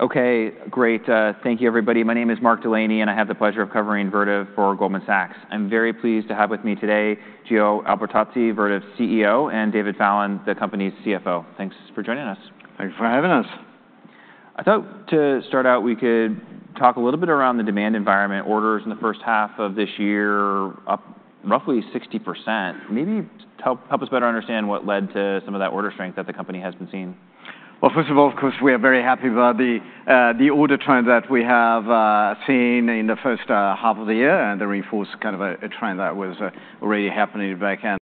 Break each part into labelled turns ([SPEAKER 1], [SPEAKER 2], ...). [SPEAKER 1] Okay, great. Thank you, everybody. My name is Mark Delaney, and I have the pleasure of covering Vertiv for Goldman Sachs. I'm very pleased to have with me today, Gio Albertazzi, Vertiv's CEO, and David Fallon, the company's CFO. Thanks for joining us.
[SPEAKER 2] Thank you for having us.
[SPEAKER 1] I thought to start out, we could talk a little bit around the demand environment. Orders in the first half of this year are up roughly 60%. Maybe help us better understand what led to some of that order strength that the company has been seeing.
[SPEAKER 2] First of all, of course, we are very happy about the order trend that we have seen in the first half of the year, and to reinforce kind of a trend that was already happening back end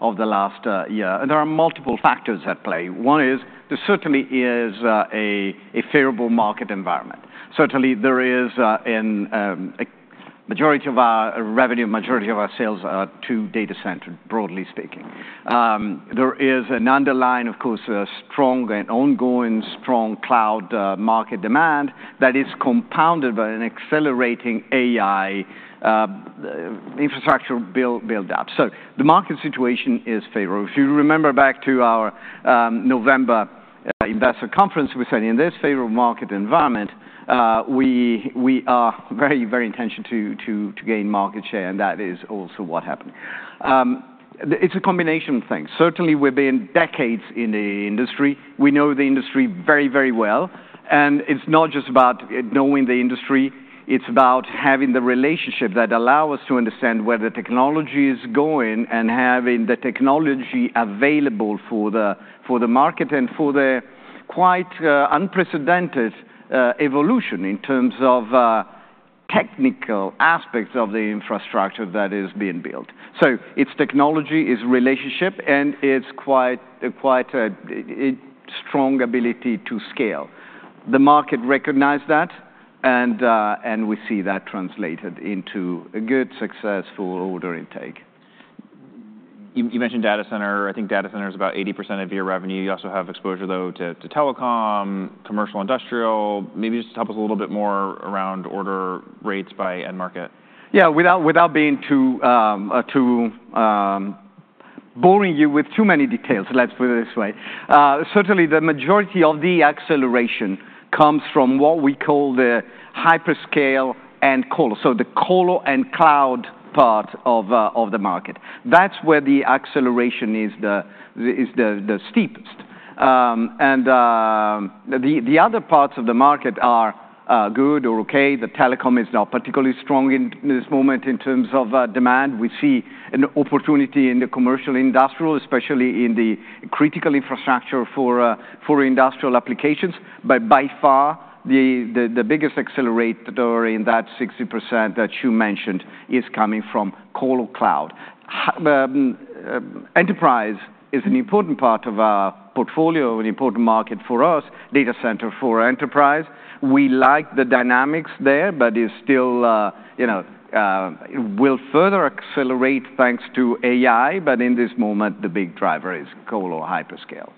[SPEAKER 2] of the last year. There are multiple factors at play. One is, there certainly is a favorable market environment. Certainly, there is, in a majority of our revenue, majority of our sales are to data center, broadly speaking. There is an underlying, of course, a strong and ongoing cloud market demand that is compounded by an accelerating AI infrastructure build up. The market situation is favorable. If you remember back to our November investor conference, we said in this favorable market environment, we are very, very intent on gaining market share, and that is also what happened. It's a combination of things. Certainly, we've been for decades in the industry. We know the industry very, very well, and it's not just about knowing the industry, it's about having the relationship that allow us to understand where the technology is going and having the technology available for the market and for the quite unprecedented evolution in terms of technical aspects of the infrastructure that is being built. So it's technology, it's relationship, and it's quite a strong ability to scale. The market recognized that, and we see that translated into a good, successful order intake.
[SPEAKER 1] You mentioned data center. I think data center is about 80% of your revenue. You also have exposure, though, to telecom, commercial, industrial. Maybe just tell us a little bit more around order rates by end market.
[SPEAKER 2] Yeah, without being too boring you with too many details, let's put it this way. Certainly, the majority of the acceleration comes from what we call the hyperscale and colo. So the colo and cloud part of the market. That's where the acceleration is the steepest. And the other parts of the market are good or okay. The telecom is not particularly strong in this moment in terms of demand. We see an opportunity in the commercial industrial, especially in the critical infrastructure for industrial applications. But by far, the biggest accelerator in that 60% that you mentioned is coming from colo cloud. Enterprise is an important part of our portfolio, an important market for us, data center for enterprise. We like the dynamics there, but it's still, you know. It will further accelerate thanks to AI, but in this moment, the big driver is colo or hyperscale.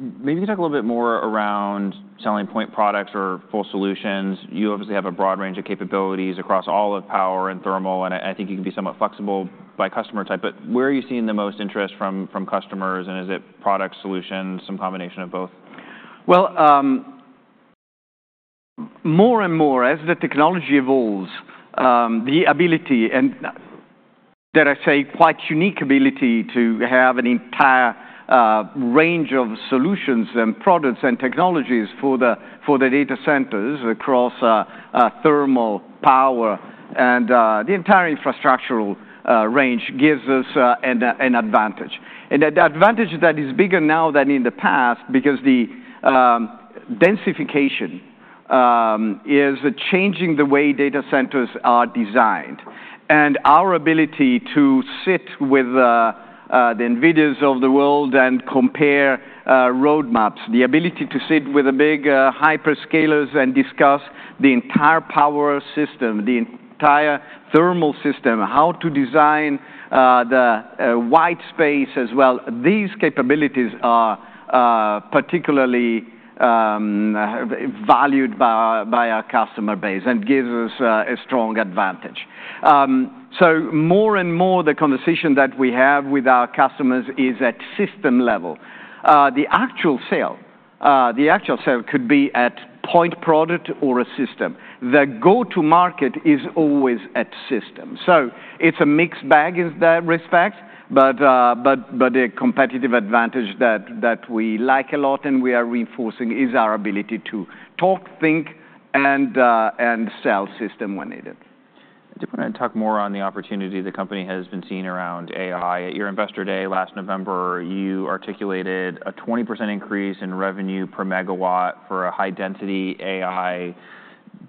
[SPEAKER 1] Maybe talk a little bit more around selling point products or full solutions. You obviously have a broad range of capabilities across all of power and thermal, and I think you can be somewhat flexible by customer type. But where are you seeing the most interest from customers, and is it product solutions, some combination of both?
[SPEAKER 2] More and more, as the technology evolves, the ability and, dare I say, quite unique ability to have an entire range of solutions and products and technologies for the data centers across thermal, power, and the entire infrastructural range gives us an advantage. The advantage that is bigger now than in the past, because the densification is changing the way data centers are designed. Our ability to sit with the NVIDIA of the world and compare roadmaps, the ability to sit with the big hyperscalers and discuss the entire power system, the entire thermal system, how to design the white space as well, these capabilities are particularly valued by our customer base and gives us a strong advantage. So more and more, the conversation that we have with our customers is at system level. The actual sale could be at point product or a system. The go-to-market is always at system. So it's a mixed bag in that respect, but a competitive advantage that we like a lot and we are reinforcing is our ability to talk, think, and sell system when needed.
[SPEAKER 1] I do want to talk more on the opportunity the company has been seeing around AI. At your Investor Day last November, you articulated a 20% increase in revenue per megawatt for a high-density AI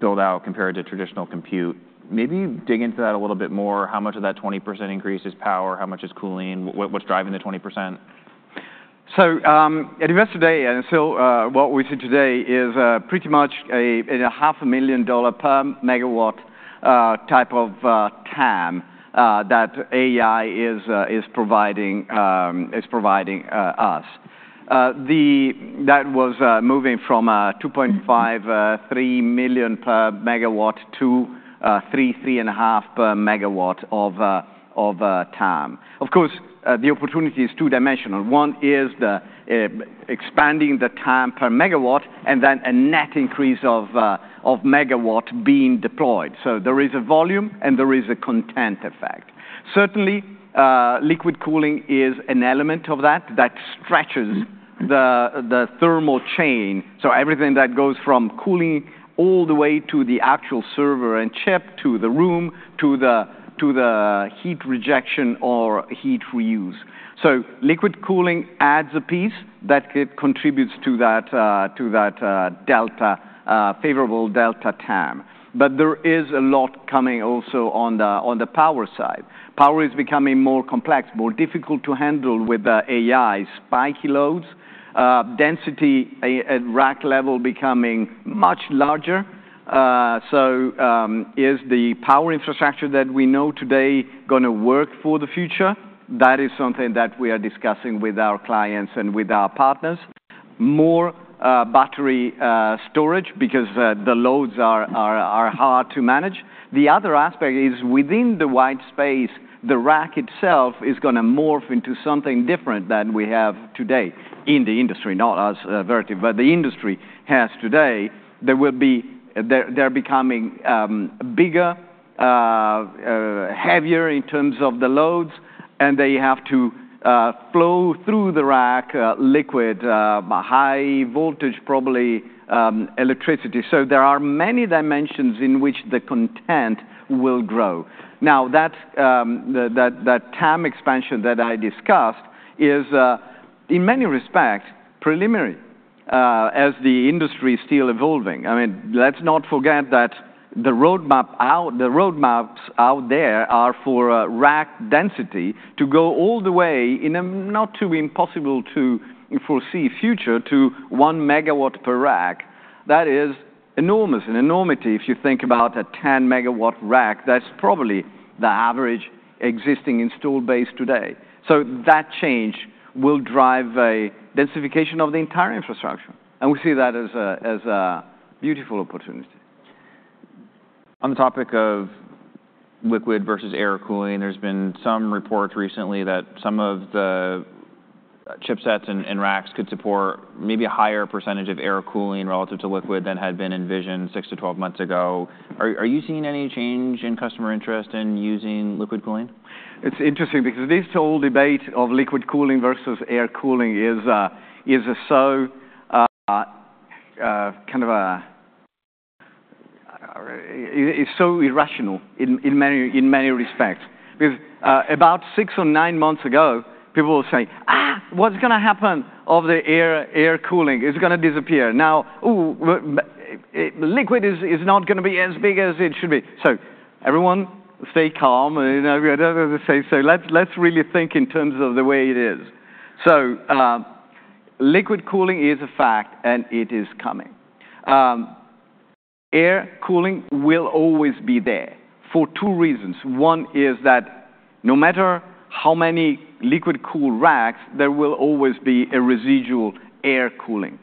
[SPEAKER 1] build-out compared to traditional compute. Maybe dig into that a little bit more. How much of that 20% increase is power? How much is cooling? What, what's driving the 20%?
[SPEAKER 2] At Investor Day, what we see today is pretty much a $500,000 per MW type of TAM that AI is providing us, that was moving from $2.5 million-$3 million per MW to $3 million-$3.5 million per MW of TAM. Of course, the opportunity is two-dimensional. One is expanding the TAM per megawatt, and then a net increase of megawatt being deployed. There is a volume, and there is a content effect. Certainly, liquid cooling is an element of that that stretches the thermal chain. So everything that goes from cooling all the way to the actual server and chip, to the room, to the heat rejection or heat reuse. Liquid cooling adds a piece that it contributes to that, to that, delta, favorable delta TAM. But there is a lot coming also on the power side. Power is becoming more complex, more difficult to handle with the AI spiky loads. Density at rack level becoming much larger. Is the power infrastructure that we know today gonna work for the future? That is something that we are discussing with our clients and with our partners. More battery storage because the loads are hard to manage. The other aspect is within the white space, the rack itself is gonna morph into something different than we have today in the industry, not at Vertiv, but the industry has today. There will be. They're becoming bigger, heavier in terms of the loads, and they have to flow through the rack, liquid by high voltage, probably, electricity. So there are many dimensions in which the content will grow. Now, that, that TAM expansion that I discussed is, in many respects, preliminary, as the industry is still evolving. I mean, let's not forget that the roadmaps out there are for rack density to go all the way in a not too impossible to foresee future, to one megawatt per rack. That is enormous, an enormity. If you think about a 10 MW rack, that's probably the average existing installed base today. So that change will drive a densification of the entire infrastructure, and we see that as a beautiful opportunity.
[SPEAKER 1] On the topic of liquid versus air cooling, there's been some reports recently that some of the chipsets and racks could support maybe a higher percentage of air cooling relative to liquid than had been envisioned 6 to 12 months ago. Are you seeing any change in customer interest in using liquid cooling?
[SPEAKER 2] It's interesting because this whole debate of liquid cooling versus air cooling is so kind of a it's so irrational in many respects. Because about six or nine months ago, people were saying, "Ah! What's gonna happen of the air cooling? It's gonna disappear." Now, "Ooh, liquid is not gonna be as big as it should be." So everyone, stay calm, and you know, we never say-- So let's really think in terms of the way it is. So liquid cooling is a fact, and it is coming. Air cooling will always be there for two reasons. One is that no matter how many liquid-cooled racks, there will always be a residual air cooling.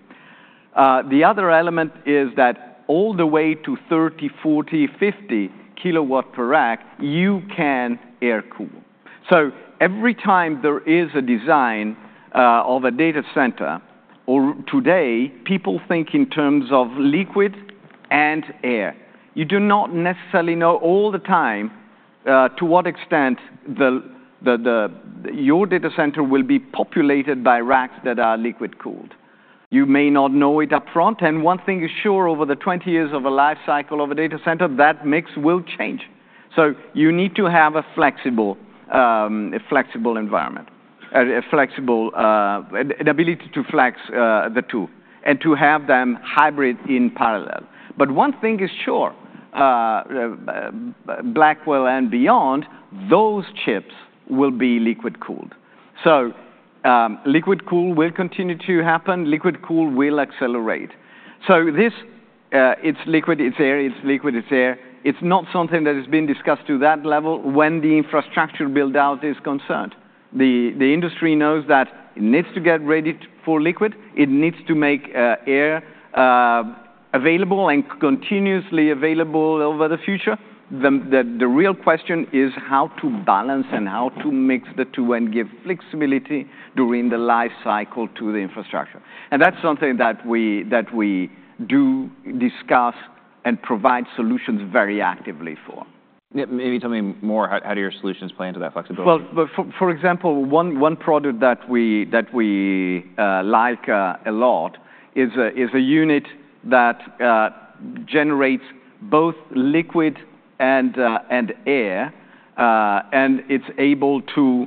[SPEAKER 2] The other element is that all the way to 30 kW, 40 kW, 50 kW per rack, you can air cool. Every time there is a design of a data center, or today, people think in terms of liquid and air. You do not necessarily know all the time to what extent your data center will be populated by racks that are liquid-cooled. You may not know it up front, and one thing is sure, over the 20 years of a life cycle of a data center, that mix will change. You need to have a flexible environment, an ability to flex the two, and to have them hybrid in parallel. One thing is sure, Blackwell and beyond, those chips will be liquid-cooled. Liquid cooling will continue to happen. Liquid cooling will accelerate. So this, it's liquid, it's air, it's not something that has been discussed to that level when the infrastructure build-out is concerned. The industry knows that it needs to get ready for liquid. It needs to make air available and continuously available over the future. The real question is how to balance and how to mix the two and give flexibility during the life cycle to the infrastructure. And that's something that we do discuss and provide solutions very actively for.
[SPEAKER 1] Yeah, maybe tell me more. How, how do your solutions play into that flexibility?
[SPEAKER 2] For example, one product that we like a lot is a unit that generates both liquid and air, and it's able to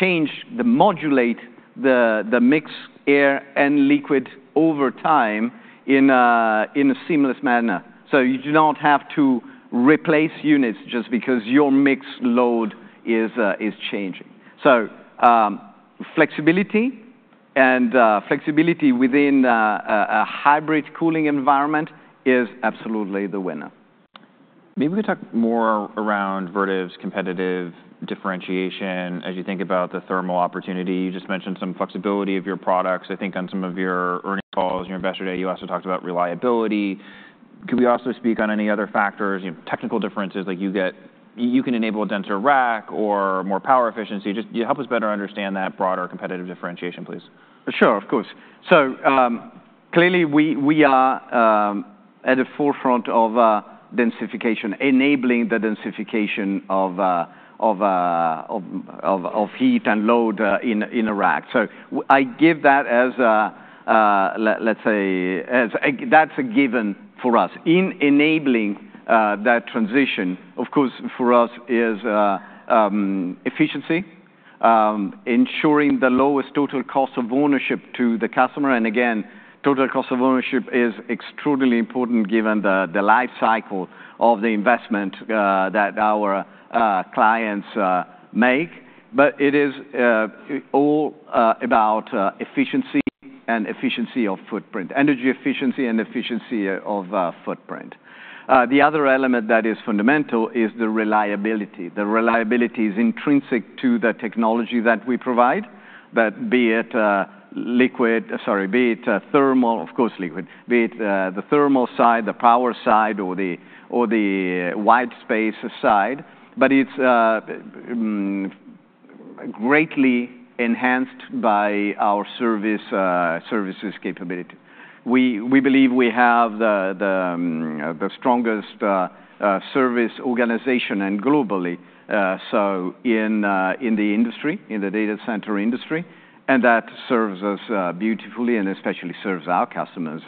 [SPEAKER 2] change and modulate the mix of air and liquid over time in a seamless manner. You do not have to replace units just because your mixed load is changing. Flexibility within a hybrid cooling environment is absolutely the winner. ...
[SPEAKER 1] Maybe we could talk more around Vertiv's competitive differentiation as you think about the thermal opportunity. You just mentioned some flexibility of your products. I think on some of your earnings calls, your Investor Day, you also talked about reliability. Could we also speak on any other factors, you know, technical differences, like you can enable a denser rack or more power efficiency? Just, yeah, help us better understand that broader competitive differentiation, please.
[SPEAKER 2] Sure, of course. So, clearly, we are at the forefront of densification, enabling the densification of heat and load in a rack. So I give that as a, let's say, as-- that's a given for us. In enabling that transition, of course, for us is efficiency, ensuring the lowest total cost of ownership to the customer. And again, total cost of ownership is extraordinarily important, given the life cycle of the investment that our clients make. But it is all about efficiency and efficiency of footprint. Energy efficiency and efficiency of footprint. The other element that is fundamental is the reliability. The reliability is intrinsic to the technology that we provide, be it thermal... Of course, liquid. Be it the thermal side, the power side, or the wide space side, but it's greatly enhanced by our service services capability. We believe we have the strongest service organization and globally so in the industry, in the data center industry, and that serves us beautifully and especially serves our customers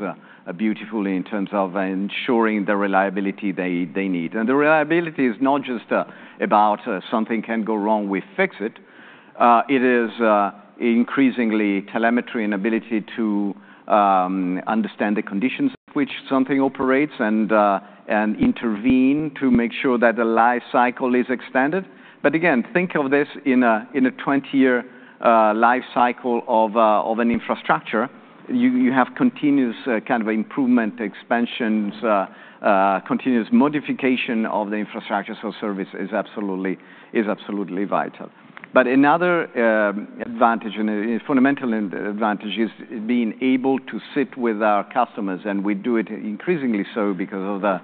[SPEAKER 2] beautifully in terms of ensuring the reliability they need. The reliability is not just about something can go wrong, we fix it. It is increasingly telemetry and ability to understand the conditions of which something operates, and intervene to make sure that the life cycle is extended. But again, think of this in a 20 year life cycle of an infrastructure. You have continuous kind of improvement, expansions, continuous modification of the infrastructure, so service is absolutely, is absolutely vital. But another advantage, and a fundamental advantage, is being able to sit with our customers, and we do it increasingly so because of the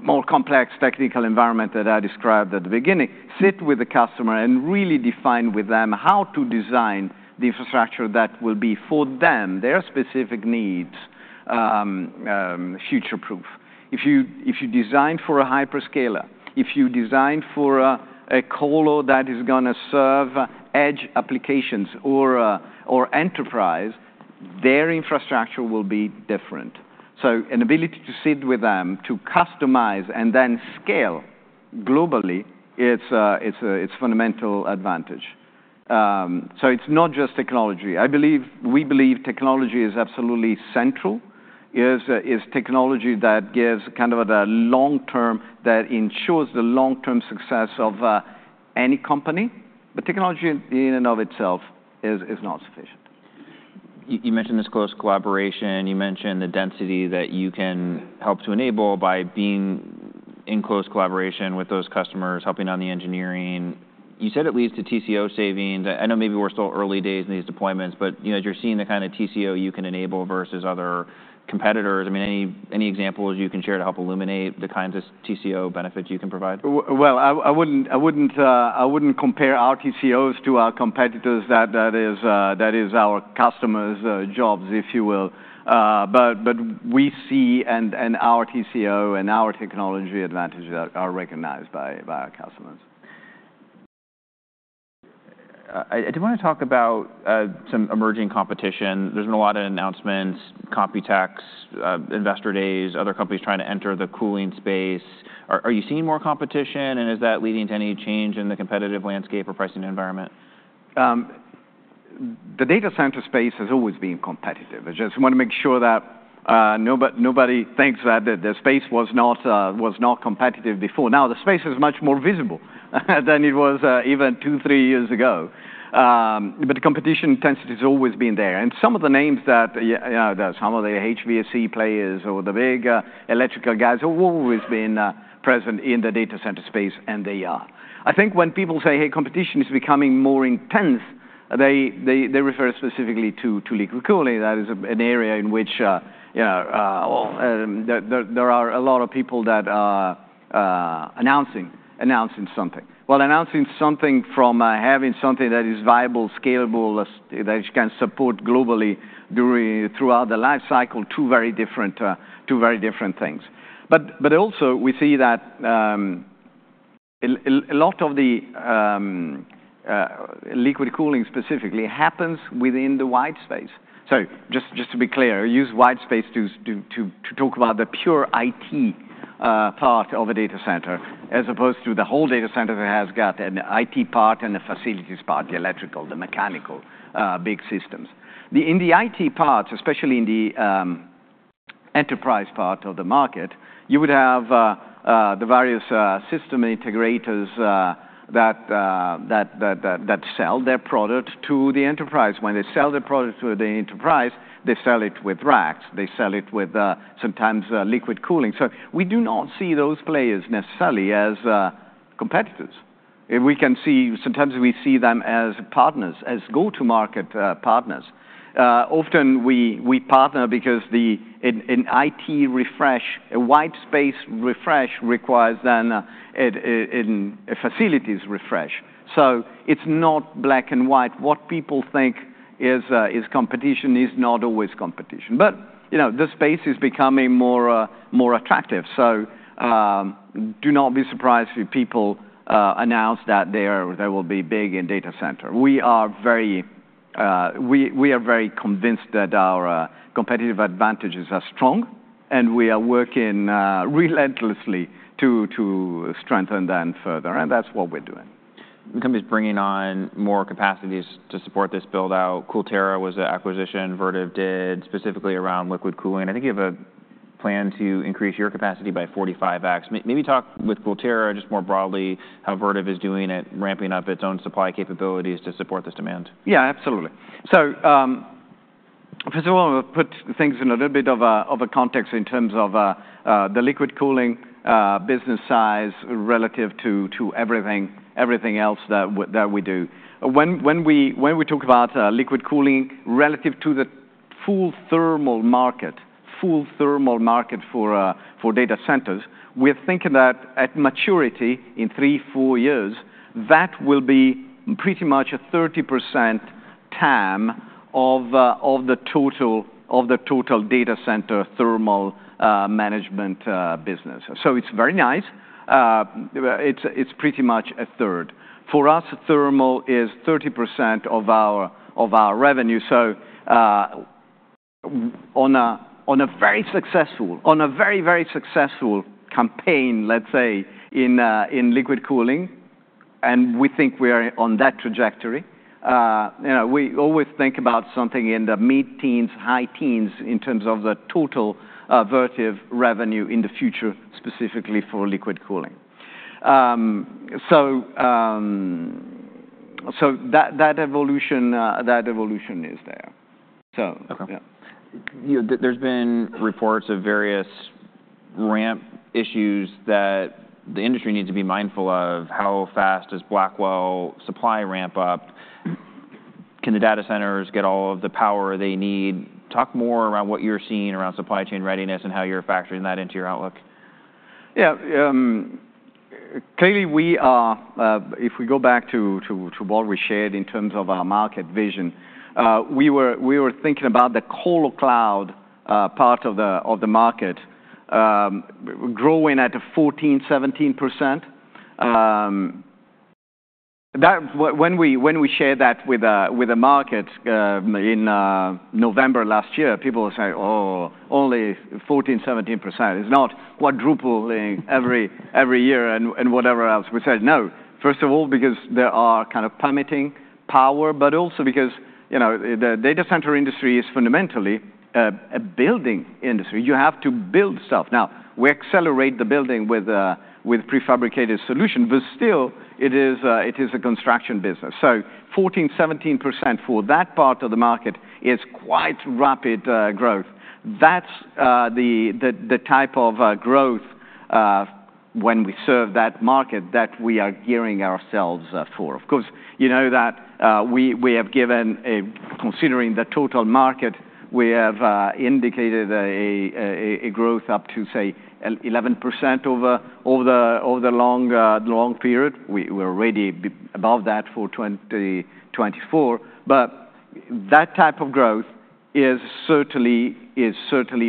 [SPEAKER 2] more complex technical environment that I described at the beginning. Sit with the customer and really define with them how to design the infrastructure that will be for them, their specific needs, future-proof. If you, if you design for a hyperscaler, if you design for a, a colo that is gonna serve edge applications or, or enterprise, their infrastructure will be different. So an ability to sit with them, to customize and then scale globally, it's a, it's a, it's fundamental advantage, so it's not just technology. I believe, we believe technology is absolutely central. It is, it's technology that gives kind of the long term, that ensures the long-term success of any company, but technology in and of itself is not sufficient.
[SPEAKER 1] You mentioned this close collaboration, you mentioned the density that you can help to enable by being in close collaboration with those customers, helping on the engineering. You said it leads to TCO savings. I know maybe we're still early days in these deployments, but, you know, as you're seeing the kind of TCO you can enable versus other competitors, I mean, any examples you can share to help illuminate the kinds of TCO benefits you can provide?
[SPEAKER 2] I wouldn't compare our TCOs to our competitors. That is our customers' jobs, if you will. But we see, and our TCO and our technology advantages are recognized by our customers.
[SPEAKER 1] I do want to talk about some emerging competition. There's been a lot of announcements, COMPUTEX, investor days, other companies trying to enter the cooling space. Are you seeing more competition, and is that leading to any change in the competitive landscape or pricing environment?
[SPEAKER 2] The data center space has always been competitive. I just want to make sure that nobody thinks that the space was not competitive before. Now, the space is much more visible than it was even two, three years ago. But the competition intensity has always been there. And some of the names that, yeah, you know, some of the HVAC players or the big electrical guys have always been present in the data center space, and they are. I think when people say, "Hey, competition is becoming more intense," they refer specifically to liquid cooling. That is an area in which, you know, there are a lot of people that are announcing something. Announcing something from having something that is viable, scalable, that you can support globally throughout the life cycle, two very different things. But also we see that a lot of the liquid cooling specifically happens within the white space. So just to be clear, I use white space to talk about the pure IT part of a data center, as opposed to the whole data center that has got an IT part and a facilities part, the electrical, the mechanical, big systems. In the IT parts, especially in the enterprise part of the market, you would have the various system integrators that sell their product to the enterprise. When they sell their product to the enterprise, they sell it with racks. They sell it with, sometimes, liquid cooling. So we do not see those players necessarily as, competitors. If we can see, sometimes we see them as partners, as go-to-market, partners. Often we partner because the, an IT refresh, a white space refresh requires then a facilities refresh. So it's not Black & White What people think is competition is not always competition. But, you know, the space is becoming more attractive. So, do not be surprised if people announce that they are- they will be big in data center. We are very convinced that our competitive advantages are strong, and we are working relentlessly to strengthen them further, and that's what we're doing.
[SPEAKER 1] The company's bringing on more capacities to support this build-out. CoolTera was an acquisition Vertiv did, specifically around liquid cooling. I think you have a plan to increase your capacity by 45x. Maybe talk with CoolTera, just more broadly, how Vertiv is doing it, ramping up its own supply capabilities to support this demand.
[SPEAKER 2] Yeah, absolutely, so first of all, put things in a little bit of a, of a context in terms of the liquid cooling business size relative to everything else that we do. When we talk about liquid cooling relative to the full thermal market, full thermal market for data centers, we're thinking that at maturity, in three, four years, that will be pretty much a 30% TAM of the total data center thermal management business, so it's very nice. It's pretty much a third. For us, thermal is 30% of our revenue, so on a very, very successful campaign, let's say, in liquid cooling, and we think we are on that trajectory. You know, we always think about something in the mid-teens, high teens in terms of the total Vertiv revenue in the future, specifically for liquid cooling, so that evolution is there. So-
[SPEAKER 1] Okay.
[SPEAKER 2] Yeah.
[SPEAKER 1] You know, there's been reports of various ramp issues that the industry needs to be mindful of. How fast does Blackwell supply ramp up? Can the data centers get all of the power they need? Talk more around what you're seeing around supply chain readiness and how you're factoring that into your outlook.
[SPEAKER 2] Yeah, clearly, we are. If we go back to what we shared in terms of our market vision, we were thinking about the core cloud part of the market growing at a 14-17%. That when we shared that with the market in November last year, people would say, "Oh, only 14%-17%. It's not quadrupling every year," and whatever else. We said, "No." First of all, because there are kind of permitting power, but also because, you know, the data center industry is fundamentally a building industry. You have to build stuff. Now, we accelerate the building with a prefabricated solution, but still, it is a construction business. So 14%-17% for that part of the market is quite rapid growth. That's the type of growth when we serve that market that we are gearing ourselves for. Of course, you know that we have given a... Considering the total market, we have indicated a growth up to, say, 11% over the long period. We're already above that for 2024. But that type of growth is certainly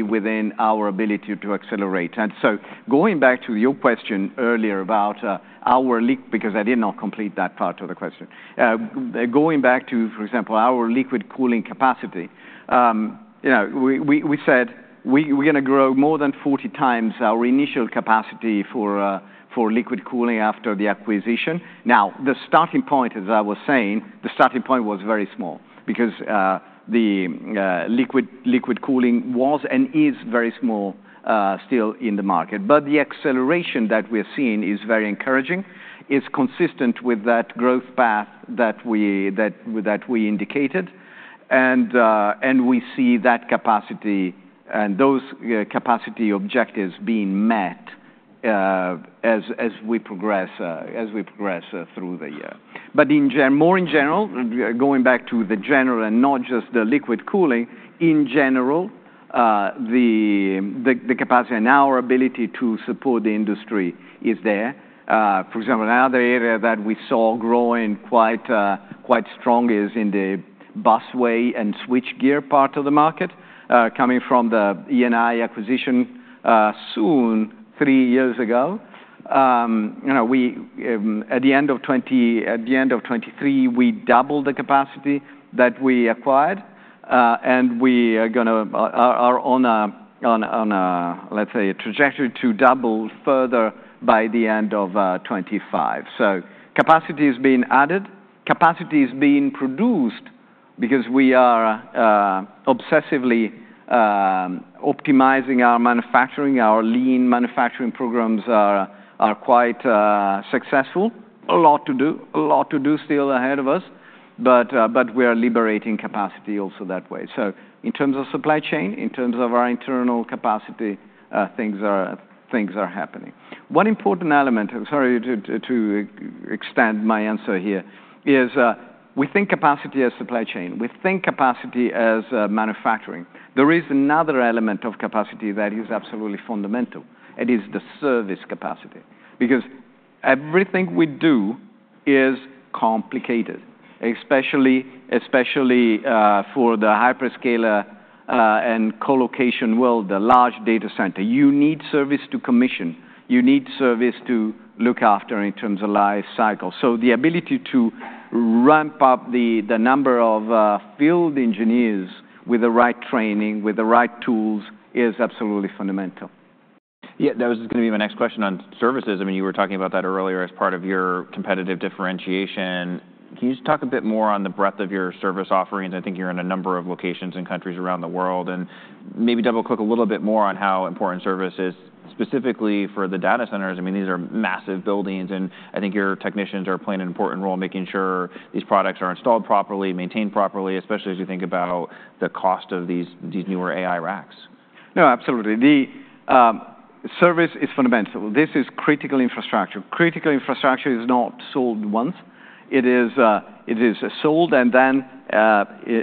[SPEAKER 2] within our ability to accelerate. And so going back to your question earlier about our liq- because I did not complete that part of the question. Going back to, for example, our liquid cooling capacity, you know, we said, we're gonna grow more than forty times our initial capacity for liquid cooling after the acquisition. Now, the starting point, as I was saying, the starting point was very small because the liquid cooling was and is very small still in the market. But the acceleration that we're seeing is very encouraging. It's consistent with that growth path that we indicated, and we see that capacity and those capacity objectives being met as we progress through the year. But more in general, going back to the general and not just the liquid cooling, in general, the capacity and our ability to support the industry is there. For example, another area that we saw growing quite strong is in the busway and switchgear part of the market, coming from the E&I acquisition soon three years ago. You know, we at the end of 2023, we doubled the capacity that we acquired, and we are gonna on a, let's say, a trajectory to double further by the end of 2025. So capacity is being added. Capacity is being produced because we are obsessively optimizing our manufacturing, our lean manufacturing programs are quite successful. A lot to do still ahead of us, but we are liberating capacity also that way. So in terms of supply chain, in terms of our internal capacity, things are happening. One important element, and sorry to extend my answer here, is we think capacity as supply chain. We think capacity as manufacturing. There is another element of capacity that is absolutely fundamental, and it is the service capacity. Because everything we do is complicated, especially for the hyperscaler and colocation world, the large data center. You need service to commission, you need service to look after in terms of life cycle. So the ability to ramp up the number of field engineers with the right training, with the right tools, is absolutely fundamental.
[SPEAKER 1] Yeah, that was going to be my next question on services. I mean, you were talking about that earlier as part of your competitive differentiation. Can you just talk a bit more on the breadth of your service offerings? I think you're in a number of locations and countries around the world, and maybe double-click a little bit more on how important service is, specifically for the data centers. I mean, these are massive buildings, and I think your technicians are playing an important role in making sure these products are installed properly, maintained properly, especially as you think about the cost of these, these newer AI racks.
[SPEAKER 2] No, absolutely. The service is fundamental. This is critical infrastructure. Critical infrastructure is not sold once. It is sold and then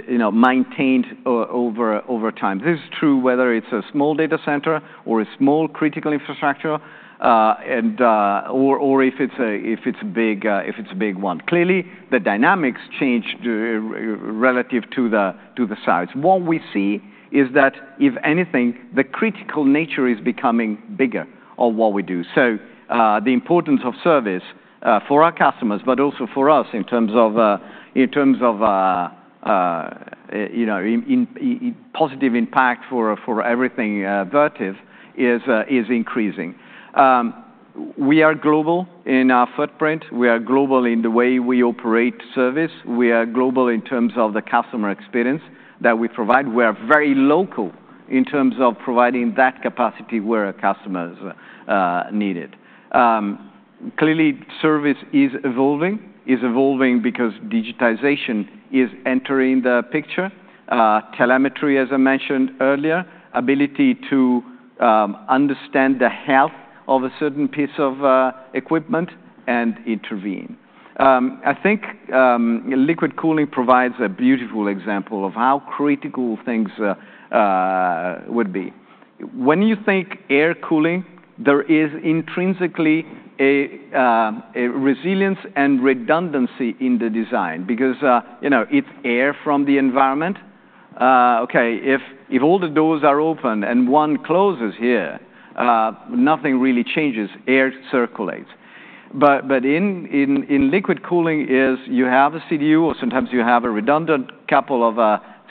[SPEAKER 2] you know, maintained over time. This is true whether it's a small data center or a small critical infrastructure, and or if it's a big one. Clearly, the dynamics change relative to the size. What we see is that, if anything, the critical nature is becoming bigger of what we do. So, the importance of service for our customers, but also for us in terms of positive impact for everything Vertiv is increasing. We are global in our footprint. We are global in the way we operate service. We are global in terms of the customer experience that we provide. We are very local in terms of providing that capacity where our customers need it. Clearly, service is evolving because digitization is entering the picture, telemetry, as I mentioned earlier, ability to understand the health of a certain piece of equipment and intervene. I think liquid cooling provides a beautiful example of how critical things would be. When you think air cooling, there is intrinsically a resilience and redundancy in the design because, you know, it's air from the environment. Okay, if all the doors are open and one closes here, nothing really changes. Air circulates. But in liquid cooling, you have a CDU, or sometimes you have a redundant couple of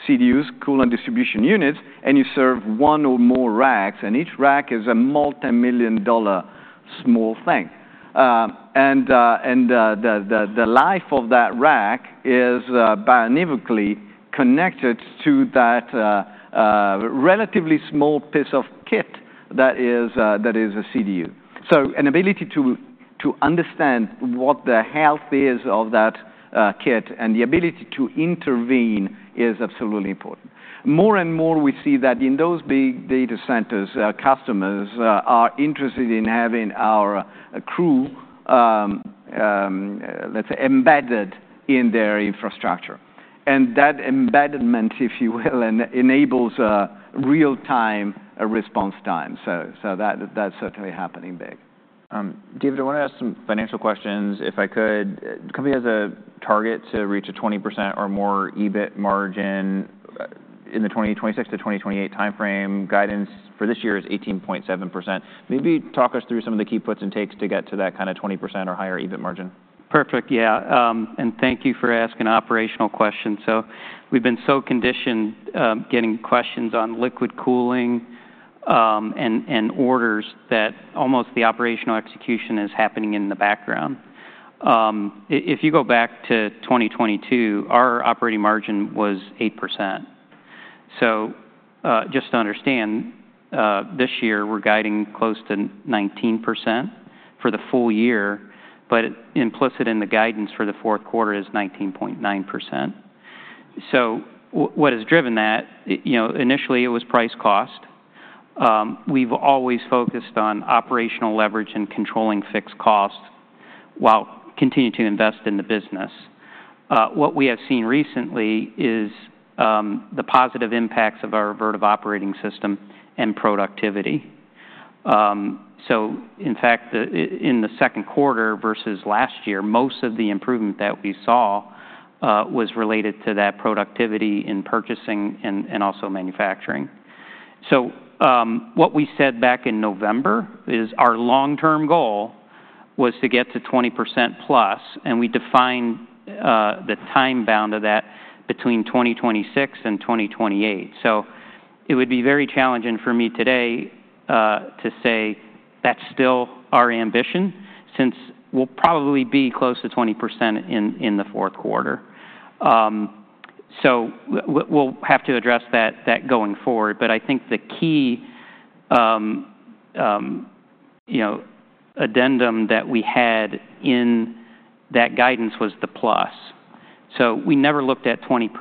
[SPEAKER 2] CDUs, coolant distribution units, and you serve one or more racks, and each rack is a multimillion-dollar small thing. The life of that rack is [Bionomically] connected to that relatively small piece of kit that is a CDU. So an ability to understand what the health is of that kit and the ability to intervene is absolutely important. More and more, we see that in those Big Data centers, our customers are interested in having our crew, let's say, embedded in their infrastructure. And that embedment, if you will, enables real-time response time. So that that's certainly happening big.
[SPEAKER 1] David, I want to ask some financial questions, if I could. The company has a target to reach a 20% or more EBIT margin in the 2026-2028 timeframe. Guidance for this year is 18.7%. Maybe talk us through some of the key puts and takes to get to that kind of 20% or higher EBIT margin.
[SPEAKER 3] Perfect. Yeah, and thank you for asking operational questions. So we've been so conditioned, getting questions on liquid cooling, and orders that almost the operational execution is happening in the background. If you go back to 2022, our operating margin was 8%. So, just to understand, this year, we're guiding close to 19% for the full year, but implicit in the guidance for the fourth quarter is 19.9%. So what has driven that, you know, initially it was price cost. We've always focused on operational leverage and controlling fixed costs while continuing to invest in the business. What we have seen recently is, the positive impacts of our Vertiv Operating System and productivity. So in fact, the... In the second quarter versus last year, most of the improvement that we saw was related to that productivity in purchasing and also manufacturing. What we said back in November is our long-term goal was to get to 20%+, and we defined the time bound of that between 2026 and 2028. It would be very challenging for me today to say that's still our ambition, since we'll probably be close to 20% in the fourth quarter. So we'll have to address that going forward. But I think the key, you know, addendum that we had in that guidance was the plus. We never looked at 20%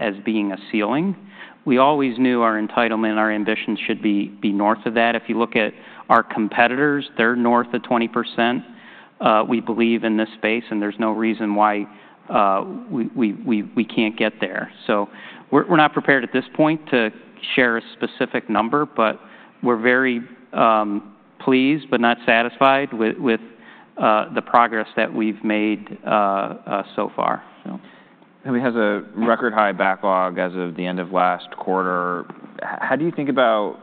[SPEAKER 3] as being a ceiling. We always knew our entitlement, our ambition should be north of that. If you look at our competitors, they're north of 20%, we believe in this space, and there's no reason why we can't get there. So we're not prepared at this point to share a specific number, but we're very pleased but not satisfied with the progress that we've made so far, so.
[SPEAKER 1] We have a record-high backlog as of the end of last quarter. How do you think about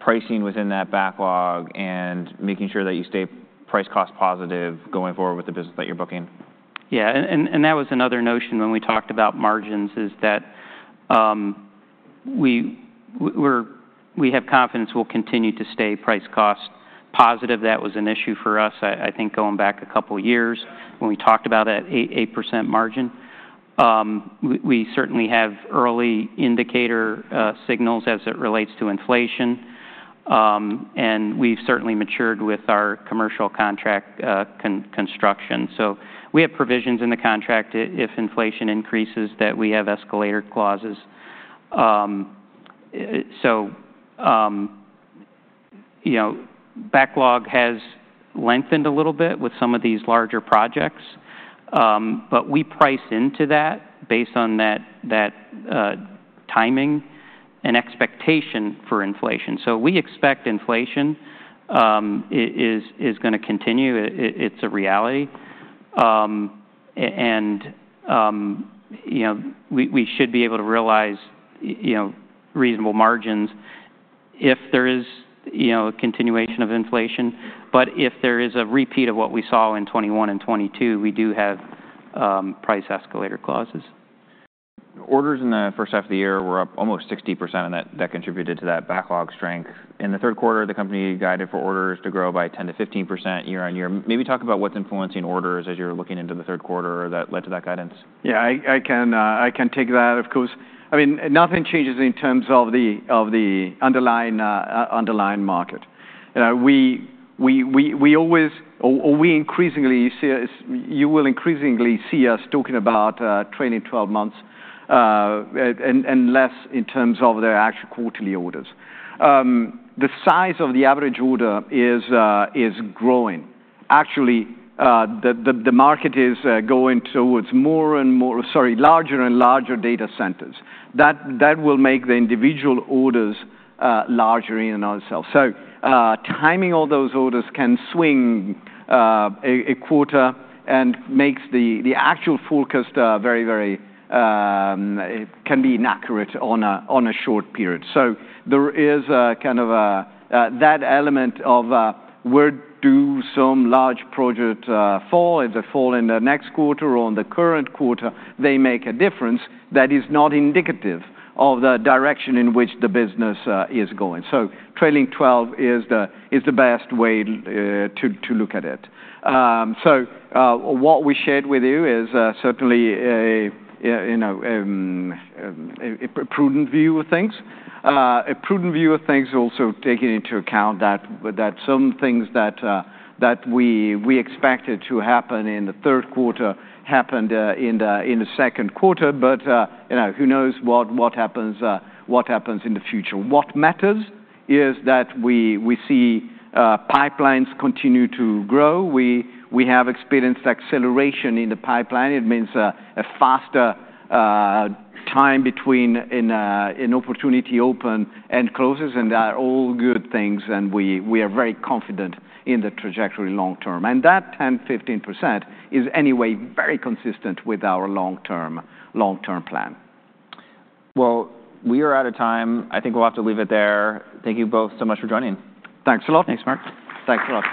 [SPEAKER 1] pricing within that backlog and making sure that you stay price cost positive going forward with the business that you're booking?
[SPEAKER 3] Yeah, and that was another notion when we talked about margins, is that we have confidence we'll continue to stay price-cost positive. That was an issue for us, I think, going back a couple of years when we talked about that 8% margin. We certainly have early indicator signals as it relates to inflation, and we've certainly matured with our commercial contract construction. So we have provisions in the contract if inflation increases, that we have escalator clauses. So you know, backlog has lengthened a little bit with some of these larger projects, but we price into that based on that timing and expectation for inflation. So we expect inflation is gonna continue. It's a reality. you know, we should be able to realize, you know, reasonable margins if there is, you know, a continuation of inflation, but if there is a repeat of what we saw in 2021 and 2022, we do have price escalator clauses.
[SPEAKER 1] Orders in the first half of the year were up almost 60%, and that contributed to that backlog strength. In the third quarter, the company guided for orders to grow by 10%-15% year-on-year. Maybe talk about what's influencing orders as you're looking into the third quarter that led to that guidance.
[SPEAKER 2] Yeah, I can take that, of course. I mean, nothing changes in terms of the underlying market. You know, we always or we increasingly see us. You will increasingly see us talking about trailing twelve months and less in terms of their actual quarterly orders. The size of the average order is growing. Actually, the market is going towards more and more. Sorry, larger and larger data centers. That will make the individual orders larger in ourselves. So, timing all those orders can swing a quarter and makes the actual forecast very, very. It can be inaccurate on a short period. So there is a kind of that element of where do some large project fall? If they fall in the next quarter or on the current quarter, they make a difference that is not indicative of the direction in which the business is going. So trailing twelve is the best way to look at it. So what we shared with you is certainly a you know a prudent view of things. A prudent view of things also taking into account that some things that we expected to happen in the third quarter happened in the second quarter. But you know who knows what happens in the future? What matters is that we see pipelines continue to grow. We have experienced acceleration in the pipeline. It means a faster time between an opportunity open and closes, and they are all good things, and we are very confident in the trajectory long term, and that 10-15% is anyway very consistent with our long-term, long-term plan.
[SPEAKER 1] We are out of time. I think we'll have to leave it there. Thank you both so much for joining.
[SPEAKER 2] Thanks a lot.
[SPEAKER 3] Thanks, Mark.
[SPEAKER 2] Thanks a lot.